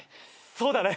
そうだね。